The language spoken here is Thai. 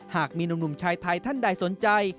หากมีหนุ่มชายไทยท่านใดสนใจ